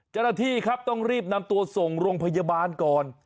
จรภีครับต้องรีบนำตัวส่งลงพยาบาลก่อน